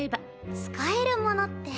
「使えるもの」って。